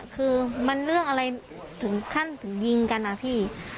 คือมันเรื่องอะไรถึงขั้นถึงยิงกันนะพี่